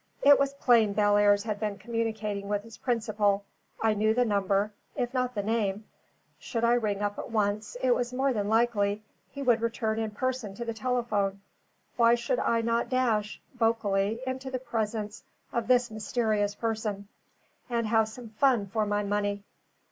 It was plain Bellairs had been communicating with his principal; I knew the number, if not the name; should I ring up at once, it was more than likely he would return in person to the telephone; why should not I dash (vocally) into the presence of this mysterious person, and have some fun for my money.